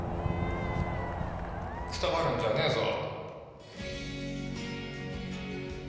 くたばるんじゃねえぞ。